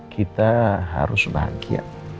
kita harus bagi